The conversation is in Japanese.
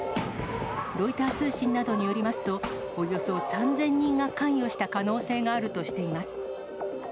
ロイター通信などによりますと、およそ３０００人が関与した可能性があるとしています。